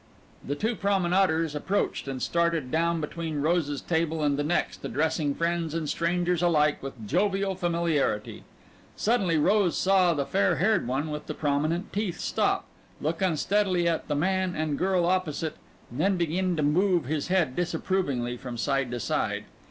The two promenaders approached and started down between Rose's table and the next, addressing friends and strangers alike with jovial familiarity. Suddenly Rose saw the fair haired one with the prominent teeth stop, look unsteadily at the man and girl opposite, and then begin to move his head disapprovingly from side to side.